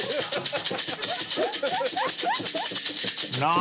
［何？